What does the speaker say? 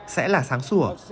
sẽ là sáng sủa